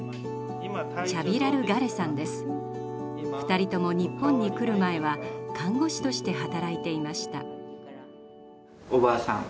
２人とも日本に来る前は看護師として働いていました。